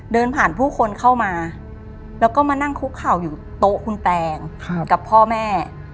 เดินผ่านผู้คนเข้ามาแล้วก็มานั่งคุกเข่าอยู่โต๊ะคุณแตงกับพ่อแม่